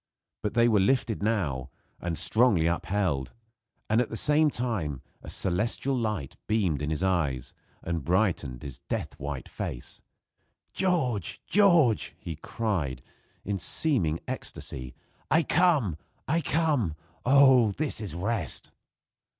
But they were lifted now, and strongly upheld; and at the same time a celestial light beamed in his eyes, and brightened his death white face. "George! George!" he cried, in seeming ecstasy, "I come! I come! Oh! this is rest!"